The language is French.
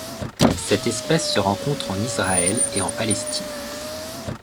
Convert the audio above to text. Cette espèce se rencontre en Israël et en Palestine.